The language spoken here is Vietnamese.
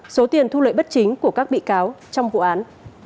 số tiền thu lợi bất chính của các bị cáo trong vụ án